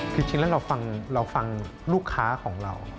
คือจริงแล้วเราฟังลูกค้าของเรา